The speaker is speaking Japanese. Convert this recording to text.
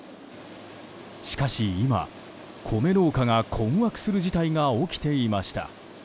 しかし今、米農家が困惑する事態が起きていました。